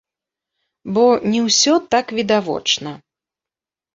Бо не ўсё так відавочна.